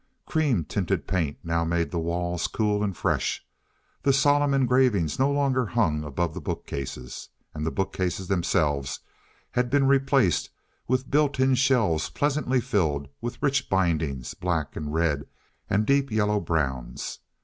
Cream tinted paint now made the walls cool and fresh. The solemn engravings no longer hung above the bookcases. And the bookcases themselves had been replaced with built in shelves pleasantly filled with rich bindings, black and red and deep yellow browns.